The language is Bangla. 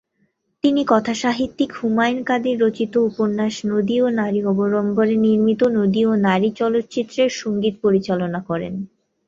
তিনি কথাসাহিত্যিক হুমায়ুন কাদির রচিত উপন্যাস "নদী ও নারী" অবলম্বনে নির্মিত "নদী ও নারী" চলচ্চিত্রের সঙ্গীত পরিচালনা করেন।